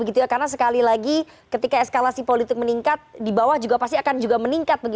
karena sekali lagi ketika eskalasi politik meningkat di bawah juga pasti akan meningkat